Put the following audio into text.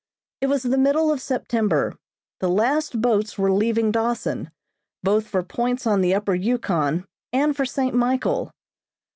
It was the middle of September. The last boats were leaving Dawson, both for points on the Upper Yukon and for St. Michael.